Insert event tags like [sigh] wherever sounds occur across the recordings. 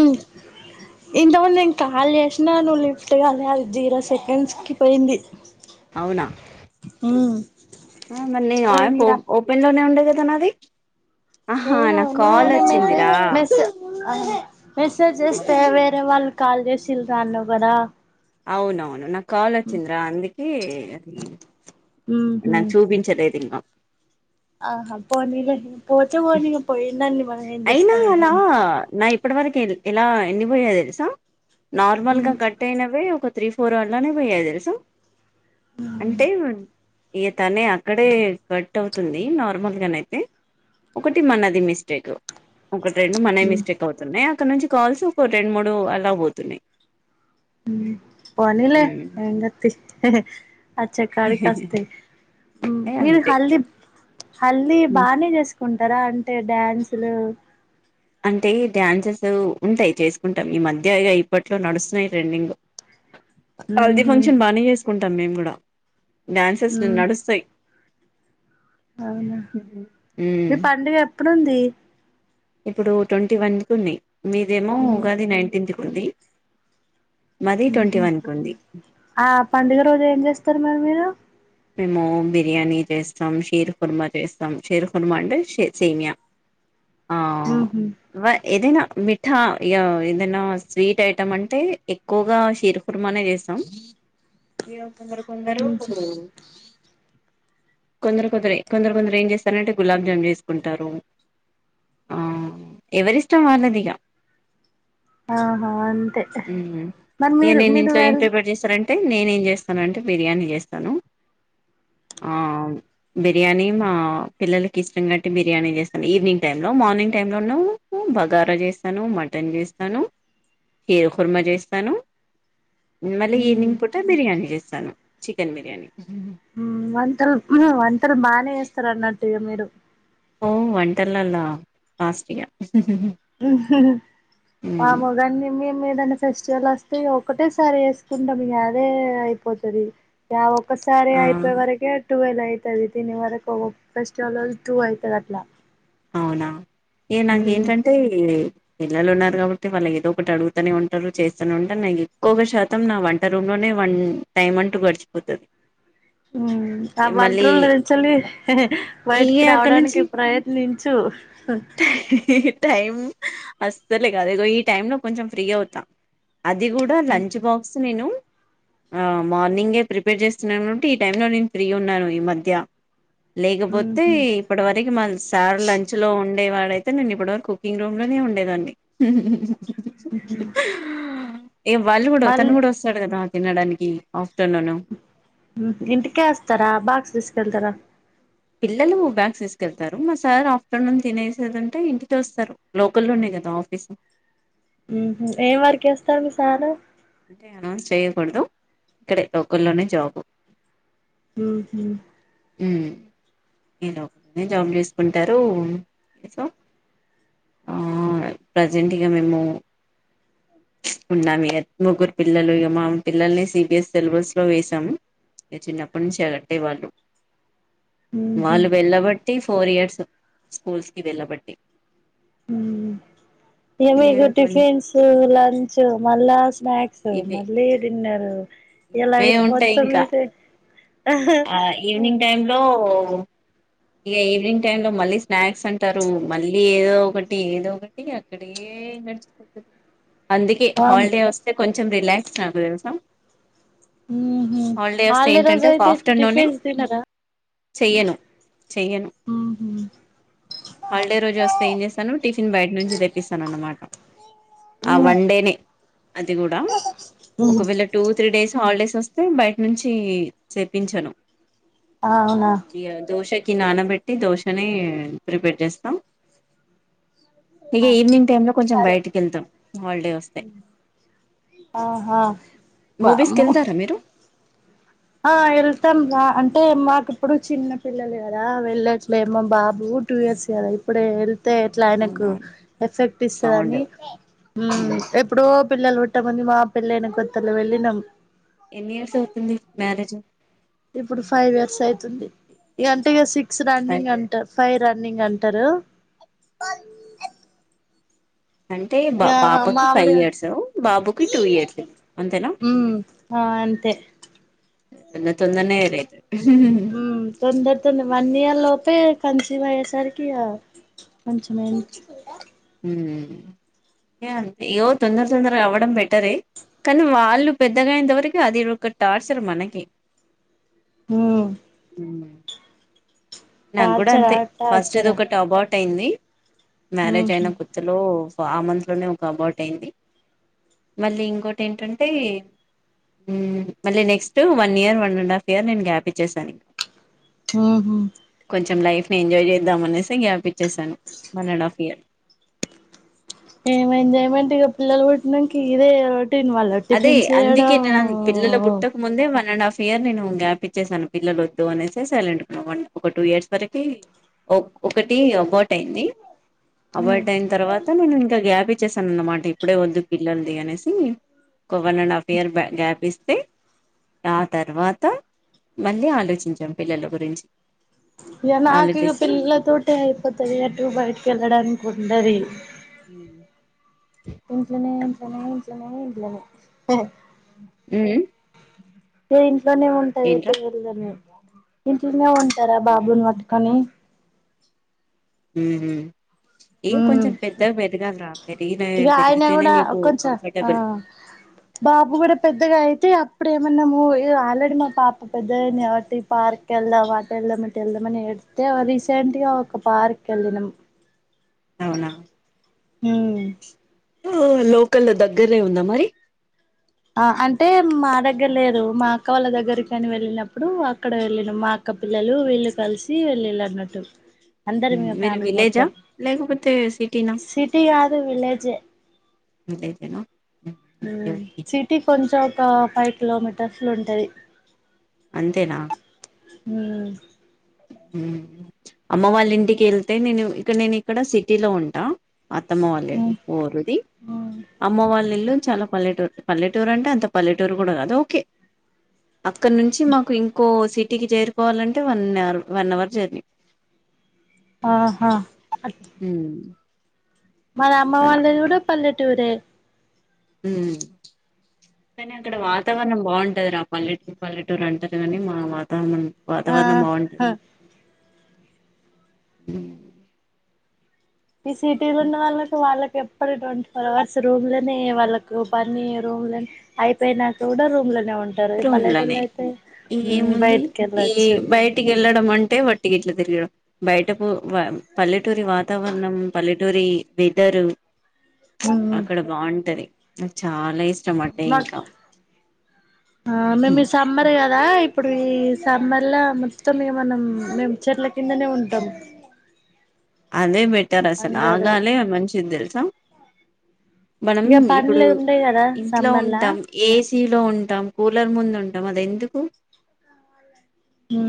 ఉ ఇంతముందు నేన్ కాల్ చేసినా నువ్వు లిఫ్ట్గా లేదు జీరో సెకండ్స్ కి పోయింది అవున ఆ మరి నేన్ ఓ పోయిందిరా ఓపెన్ లోనె ఉండె [inaudible] ఏమో నువ్వు మెసేజ్ మెసేజ్ అహ మెసేజ్ అవును. చేస్తే వేరే వాళ్ళు కాల్ చేసిళ రాన్నా కదా అవునవును నాక్ కాల్ వచ్చింద్రా అందుకీ నాక్ చూపించలేదింగ ఆహ పోనీలె పోతే పోనీ పోయి నన్న అయిన అలా నా ఇప్పటి వరికెల్ ఎలా ఎన్నిపోయాయ్ తెలుసా నార్మల్గా కట్ అయినవే ఒక త్రీ ఫోర్ అట్లునే పోయాయి తెలుసా అంటే ఇగ తనే అక్కడే కట్ అవుతుంది నార్మల్గానైతె ఒకటి మన అది మిస్ స్టేక్ ఒకటి రెండు మన మిస్టేక్ అవుతున్నాయి అక్కడ్ నుంచి కాల్స్ ఒక రెండు మూడు అలా పోతున్నా్ హుమ్ పోనీలె ఎంగత్తి అచ్చెకాడికి వస్తాయి ఏ మీరు అంతే హల్ది హల్ది హ్మ్. బాగానే చేసు కుంటరా అంటే డ్యాన్సులు అంటే డ్యాన్సెస్ ఉంటాయి చేసుకుంటాం ఈ మధ్య ఇగ ఇప్పట్లో నడుస్తున్నాయి ట్రెండింగ్ అ హల్దీ ఫంక్షన్ బానే చేసుకుంటాం మేము కూడ డ్యాన్సెస్ నడుస్తాయి అవున మీ మ్మ్ పండుగ ఎప్పుడుంది ఇప్పుడు ట్వంటీ వన్ కు ఉన్నాయి మీదేమో మ్మ్ ఉగాది నైన్టీన్ ఉంది మాది ట్వంటీ ఉహు వన్ కు ఉంది ఆ పండుగ రోజు ఏం చేస్తారు మరి మీరు మేము బిర్యానీ చేస్తాం షీర్ ఖుర్మ చేస్తాం షీర్ కుర్మ అంటే సేమియా ఆ మ్మ్ హు వ ఏదయినా మిఠా ఇగ ఏదైన స్వీట్ ఐటమ్ అంటే ఎక్కువగా షీర్ కుర్మానే చేస్తాం ఇగ కొందరు కొందరు మ్మ్ హు కొందరు కొందరె కొందరె కొందరు ఏం చేస్తారంటే గులాబ్జామున్ చేసుకుంటారు ఆ ఎవరిష్టం వాళ్ళది ఇక ఆహా అంతే ఉహు మరి ఎ మీరు నేన్ మీరు ఇంట్లో ఏం వెళ్ ప్రిపేర్ చేస్తారంటే అంటే నేనేం చేస్తానంటే బిర్యానీ చేస్తాను ఆ బిర్యానీ మా పిల్లలకి ఇష్టం కట్టి బిర్యానీ చేస్తాను ఈవినింగ్ టైమ్ లో మార్ ర్నింగ్ టైమ్ లో ను బగారా చేస్తాను మటన్ చేస్తాను హీరుఖర్మా చేస్తాను మళ్ళీ మ్మ్ ఈవినింగ్ పూట బిర్యానీ చేస్తాను చికెన్ బిర్యానీ ఉమ్ వంటలు ఉమ్మ్మ్ వంటలు బానే చేస్తారు అన్నట్టు ఇక మీరు ఓ వంటల్లల ఫస్ట్ ఈగ మ్మ్ మామోగాని మేం ఏదన్నా ఫెస్టివల్ వస్ ఇగ ఒకటేసారి వేసుకుంటాం ఇంకా అదే అయిపోతాది యవో ఒకసారి ఆ అయిపోయే వరకే ట్వెల్వ్ అయి తది తినే వరకు ఓ ఫెస్టివల్ టూ అయితాది అట్లా అవునా ఏ నాక మ్మ్ ఏంటంటే పిల్లలు ఉన్నారు కాబట్టి వాళ్ళ ఏదో ఒకటి అడుగుతూనే ఉంటారు చేస్తనే ఉంటాను నాకి ఎక్కువగా శాతం నా వంట రూమ్ లోనే వన్ టైం అంటూ గడిచిపోతది ఉమ్ ఆ వంట మళ్ళీ రూమ్ లో నిల్చొని ఇగ బయటికి అక్కడ రావడానికి నుంచి ప్రయత్నిం చూ టైం అస్తులే కద ఇగో ఈ టైమ్ లో కొంచెం ఫ్రీగా అవుతా అది కూడా లంచ్ బాక్స్ నేను ఆ మార్నింగే ప్రిపేర్ చేస్తున్నాను టి ఈ టైంలో నేను ఫ్రీ ఉన్నాను ఈ మధ్య లేకపోతే ఉహు ఇప్పటి వరకు మల్ సార్ లంచ్ లో ఉం ఉండేవాడయితే నేను ఇప్పటి వరకు కుకింగ్ రూమ్ లోనే ఉండేదండి ఏ వాళ్ళు కూడా మళ్ళీ తను కూడా వస్తాడు కదా తినడానికి ఆఫ్ ఇంటికే వస్తారా బాక్స్ తీసుకెళ్తారా పిల్లలు బ్యాగ్స్ తీసుకెళ్తారు మా సార్ ఆఫ్టర్నూన్ తినేసేదంటే ఇంటి కె వస్తారు లోకల్ల్లోనే దా ఆఫిస్ ఉమ్ హమ్ ఏం వర్క్ చేస్తాడ్ మీ సార్ అంటే అనౌన్స్ చేయ్యకూడదు ఇక్కడ లోకల్లోనే జాబ్ ఉమ్ హ్మ్ ఉమ్ ఈ లోకల్లోనే జాబు చేసుకుంటారు ఎస ఆ ప్రజెంట్గా మేము ఉన్నాము ఇగ ముగ్గురు పిల్లలు మా పిల్లల్ని సిబిఎస్ సిలబస్ లో వేసాము ఈ చిన్నప్పటి నుంచి అట్టే వాళ్ళు వాళ్ళు వెళ్ళబట్టి ఫోర్ ఇయర్స్ స్కూల్స్ కి వెళ్ళబట్టి ఉమ్ ఈగ ఇగ మీకు మంచి టిఫిన్స్ లంచ్ మళ్ళా స్నాక్స్ ఇవే మళ్లీ డిన్నర్ ఇగ ఇవే లైఫ్ ఉంటాయి మొత్తం ఇంకా ఇదే ఆ ఇక ఈవినింగ్ టైమ్ లో మళ్ళీ స్నాక్స్ అంటారు మళ్ళీ ఏదో ఒకటి ఏదో ఒకటి అక్కడే గడిచిపోతది అందుకే వామ్ హాలిడే వస్తే కొంచెం రిలాక్స్ నాకు తెల్సా ఉమ్ హమ్ హాలిడే రోజ ఒక అయితే ఆఫ్టర్నూనే టిఫిన్స్ తినారా చెయ్యను చెయ్యను ఉహు హాలిడే రోజు వస్తే ఏం చేస్తాను టిఫిన్ బయట నుంచి తెప్పిస్తాను అన్నమాట ఆ ఉమ్ వన్ డేనే అది కూడా ఉహు ఒకవేళ టూ త్రీ డేస్ హాలిడేస్ వస్తే బయట నుంచి చెపించను అవునా కి నానబెట్టి దోశనే ప్రిపేర్ చేస్తా ఇక ఈవినింగ్ టైమ్ లో కొంచెం సరే బయటికి వెళ్తాం హాలిడే వస్తే ఆహా మూవీస్ వామ్మో కెళ్తారా మీరు ఆ వెళ్తాం రా అంటే మాకుప్పుడు చిన్న పిల్లలు కదా వెళ్ళట్లేమో బాబు టూ ఇయర్స్ కాదా ఇప్పుడే ఇట్లా ఆయనకు అవునవును ఎఫెక్ట్ సౌండ్ ఇస్తుందిని అవును ఎప్పుడో పిల్లలు పుట్ట ముంది మా పిల్లైన కొత్తలో వెళ్ళినాం ఎన్ని ఇయర్స్ అవుతుంది మ్యారేజ్ అయ్యే ఇప్పుడు ఫైవ్ ఇయర్స్ అవుతుంది ఇకంటే ఇ సిక్స్ ఫైవ్ రన్నింగ్ ఇయర్స్. అంట ఫైవ్ రన్నింగ్ అంటారు అంటే బా ఆ పాపకి ఫైవ్ మామలు ఇయర్స్ బాబుకి టూ ఇయర్స్ అంతేనా హ్మ్మ్ అ అంతే తొందర తొందరనే రైతు తొందరతో మన్న లోపే కన్సీవ అయ్యేసరికి కొంచమ అంతే ఇయ్యో తొందర తొందర అవ్వడం బెటర కానీ వాళ్ళు పెద్దగాయినంతవరకు అది ఒక టార్చర్ మనకి హ్మ్మ్ ఉ నాకు కూడా టార్చరా అంతే ఫస్ట్ ఇది టార్చరా ఒకటి అబౌట్ అయింది మ్యారేజ్ అయిన ఉహు కొత్తలో ఆ మంత్లోనే ఒక అబౌట్ అయింది మళ్ళీ ఇంకోటి ఏంటంటే హ్మ్మ్ మళ్ళీ next one year one and half year నేను గ్యాప్ ఇచ్చసాను ఇంకా ఆఓహ కొంచెం లైఫ్ ని ఎంజాయ్ చేద్దాం అనేసి గ్యాప్ ఇచ్చేసాను వన్ అండ్ హాఫ్ ఇయర్ ఏం ఎంజాయ్మెంట్ ఇక పిల్లలు పుట్నానికి ఇదే దీని వల్ల అదే టిఫిన్ అందుకే చేయడం నేను పిల్లల పుట్టక ముందే వన్ అండ్ హాఫ్ ఇయర్ నేను గ్యాప్ ఇచ్చేసాను పిల్లల వద్దు అనేసే సైలెంట్ ఒక టూ ఇయర్స్ వరకి ఒక ఒకటి అబౌట్ అయింది ఉమ్ అబర్ట్ అయిన తర్వాత నేను ఇంకా గ్యాప్ ఇచ్చేసాను అన్నమాట ఇప్పుడే వద్దు పిల్లలది అనేసి ఒక వన్ అండ్ హాఫ్ ఇయర్ బ గ్యాప్ ఇస్త ఆ తర్వాత మళ్ళీ ఆలోచించాం పిల్లల గురించి ఇక నాకు ఇక ఆలోచిస్తే పిల్లలతో అయిపోతది అటు బయటకి వెళ్ళడానికి ఉంటది హ ఇంజనే ఉజనేజనే ఇనే [unintelligible] హ్మ్మ్ మీరు ఇంట్లోనే ఉంటాది అయితే వెళ్దనే ఇంట్లోనే ఉంట తరా బాబుని పట్టుకొని హ్మ్మ్ ఏ ఉమ్ కొంచెం పెద్దగా పెదగాలరా పెరిగిిన ఇగ ఆయన పెరిగితేనే కూడా నీకు కొంచెం ఆ కంఫర్టబుల్ బాబు కూడా పెద్దగా అయితే అ ఇప్పుడు ఏమన్నాము ఆల్రెడీ మా పాప పెద్ద కాబట్టి ఈ పార్క్ కి వెళ్దాం అటు వెళ్దాం ఇటెల్దాం తే రీసెంట్గా ఒక పార్క్ కి వెళ్ళిన అవునా హ్మ్మ్ ఆ లోకల్ దగ్గరనే ఉందా మరి ఆ అంటే మా దగ్గర లేదు మా అక్క వాళ్ళ దగ్గరికని వెళ్ళినప్పుడు అక్కడ వెళ్ళను మా అక్క ఒకక్క పిల్లలు వీళ్ళు కలిసి వెళ్ళళ్ళు అన్నట్టు అందరు మీ మీరు ఫేమిలీ విలేజా మొత్తం లేకపోతే సిటీనా సిటీ కాదు విలేజ్ లేదనా [unintelligible] సిటీ కొంచెం ఒక ఫైవ్ కిలోమీటర్స్ లో ఉంటది అంతేనా హ్మ్మ్ అమ్మ వాళ్ళ ఇంటికి వెళ్తే నేను ఇక్క నేను ఇక్కడ సిటీలో ఉంటా అత్తమ్మ వాళ్ళ ఊరది ఉమ్ అమ్మ వాళ్ళ ఇల్ళు చాలా పల్లెటూరు పల్లెటూరు అంటే అంత పల్లెటూరు కూడా కాదు ఓకే అక్కడ నుంచి మాకు ఇంకో సిటీకి చేరుకోవాలంటే one or one hour journey ఆహా హ మన అమ్మ వాళ్ళది కూడా పల్లెటూరే కానీ అక్కడ వాతావరణం బాగుంటు అ ఆ పల్లెటూరు పల్లెటూరు అంటారు కాని మా వాతావరణం వాతావరణం బాగుంటది ఆహా హ ఈ సిటీ ఉన్న వాళ్ళకి వాళ్ళకి ఎప్పుడు ట్వంటీ ఫోర్ అవర్స్ రూమ్ లోనే వాళ్ళకు పని రూమ్లని అయిపోయినాక కూడా రూమ్ లో లో ఉంటారు ఈ రూమ్ పల్లెటులో లోనే అయితే ఏముంది బయటికి ఈ వెళ్ళొచ్చు బయటికి వెళ్ళడం అంటే వట్టిగ ఇట్లా తిరగడం బయటపు పల్లెటూరి వాతావరణం పల్లెటూరి వెదరు అక్కడ బాగుంటది నాకు చాలా ఇష్టం అంటే మాకు ఇంకా మేము హ్మ్. సమ్మర్ కదా ఇప్పుడు ఈ సమ్మర్లా మొత మనం మేము చెట్ల కిందనే ఉంటాం అదే బెటర్ అసలు అందరూ ఆగాలే మంచిది తెలుసా మనం ఇక ఇప్పుడు పనులు ఉండయి కదా ఇంట్లో సమ్మర్లా ఉంటాం ఏ సిలో ఉంటాం కూలర్ ముందు ఉంటాం అది ఎందుకు హ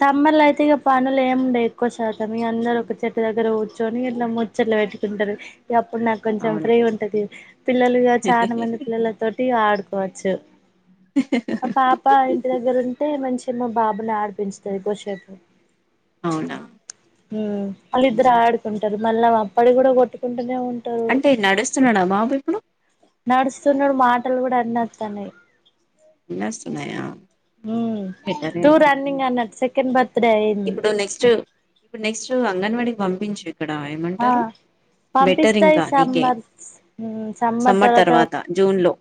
సమ్మర్ లో అయితే ఇక పనులు ఏముండవు ఎక్కువ శాతం ఈ అందరు ఒక చెట్టు దగ్గర కూర్చొని ఇట్లా ముచ్చట్లు పెట్టు కుంటారు అప్పుడు నాకు కొంచెం అవును ఫ్రీ ఉంటది పిల్లలు చాలా మంది పిల్లలతో ఆడుకోవచ్చు మా పాప ఇంటి దగ్గర ఉండి మంచి మా బాబుని అధిపించుతాది కోసేపు అవునా అల్లు ఇద్దరు హ్మ్. ఆడుకుంటారు మళ్ళీ అప్పడ కూడా కొట్టుకుంట టానే ఉంటారు అంటే నడుస్తున్నాడా బాబు ఇప్పుడు నడుస్తున్నాడు మాటలు కూడా అన్నిస్తన్నాయి అన్ని ఆస్తున్నాయా ఉ టూ రన్నింగ్ అన్నట్ సెకెండ్ బత్ ఇప్పుడు నెక్స్ట్ ఇప్పుడు నెక్స్ట్ అంగన్వాడీకి పంపించు ఇక్కడ ఆ ఏమంటారు బెటర్ పంపిస్తా ఈ ఇంకా నీకే సమ్మర్ సమ్మర్ తర్వాత జూన్ లో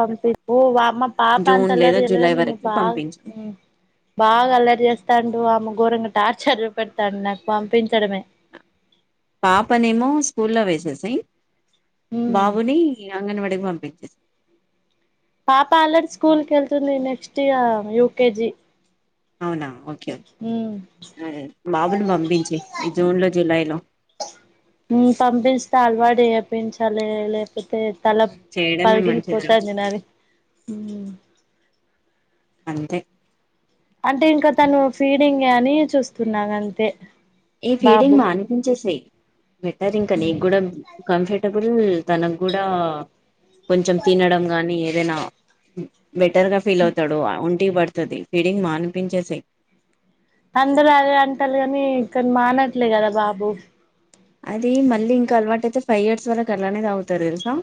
వామ్మో మా పాప అంత జూన్ లేదా అల్లరి చేయలే జూలై కానీ ఈయన వరకు బాగా పంపించు బాగా అలరి చేస్తాడు ఆమె గోరంగ టార్చర్ చుపెడతాండు నాకు పంపించడమే పాపనేమో స్కూల్ వేసేసాయి ఉమ్ బాబుని అంగన్వాడికి పంపి పాప ఆల్రెడీ స్కూల్ కి వెళ్తుంది నెక్స్ట్ ఇగ యూకేజి అవునా ఓకే ఓకే అ బాబుని పంపించేయి ఈ జూన్ లో జులై లో పంపస్తా అలవాటు చూపించాలి లేక పోతే తల చేయడమే పగిలి మంచిది పోతుందినాది అంతే అంటే ఇంకా తను ఫీడింగ్ ఏ అని చూస్తున్నాను అంతే ఈ ఫీడింగ్ బాబు మానిపించేసేయి బెటర్ ఇంకా ఉమ్ నీకు కూడా కంఫర్టబుల్ ల్ తనకు కూడా కొంచెం తినడం గాని ఏదైనా బెటర్గా ఫీల్ అవుతాడు ఒంటి పడుతుంది ఫీడింగ్ మానిపించేసేయు అందరు అదే అంటారు కానీ ఇతను మానట్లే కదా బాబు అది మళ్ళీ ఇంకా అలవాటు అయితే ఫైవ్ ఇయర్స్ వరకు అలానే తగ్గుతారు తెలుసా